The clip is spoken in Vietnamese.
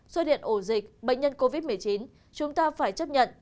số điện ổ dịch bệnh nhân covid một mươi chín chúng ta phải chấp nhận